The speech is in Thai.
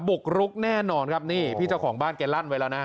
บุกรุกแน่นอนครับนี่พี่เจ้าของบ้านแกลั่นไว้แล้วนะ